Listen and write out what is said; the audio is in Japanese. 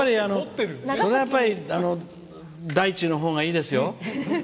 それは、やっぱり大地のほうがいいですよ。